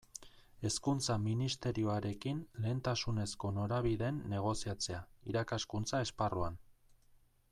Hezkuntza Ministerioarekin lehentasunezko norabideen negoziatzea, irakaskuntza esparruan.